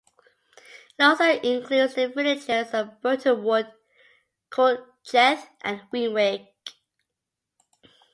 It also includes the villages of Burtonwood, Culcheth and Winwick.